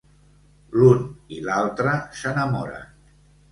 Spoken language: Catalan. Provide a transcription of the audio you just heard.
L'un i l'altre s'enamoren.